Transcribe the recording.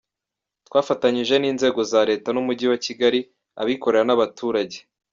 Twafatanyijen’inzego za leta n’Umujyi wa Kigali, abikorera n’abaturage.